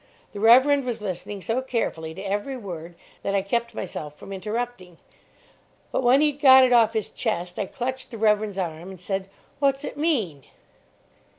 The Reverend was listening so carefully to every word that I kept myself from interrupting; but when he'd got it off his chest, I clutched the Reverend's arm, and said, "What's it mean?"